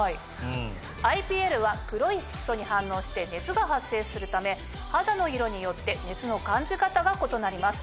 ＩＰＬは黒い色素に反応して熱が発生するため肌の色によって熱の感じ方が異なります。